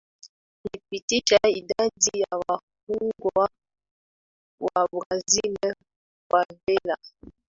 ilipitishwa Idadi ya wafungwa wa BrazilFavela